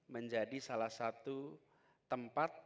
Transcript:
menjadi salah satu tempat